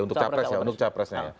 untuk capres ya